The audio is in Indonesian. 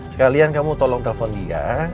sekalian kamu tolong telpon dia